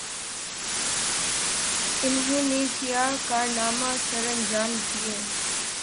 انہوں نے کیا کارنامے سرانجام دئیے؟